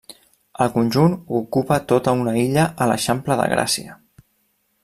El conjunt ocupa tota una illa a l'eixampla de Gràcia.